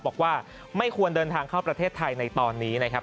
บอกว่าไม่ควรเดินทางเข้าประเทศไทยในตอนนี้นะครับ